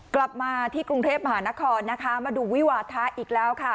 กลับมาที่กรุงเทพมหานครนะคะมาดูวิวาทะอีกแล้วค่ะ